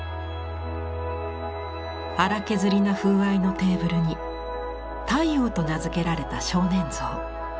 粗削りな風合いのテーブルに「太陽」と名付けられた少年像。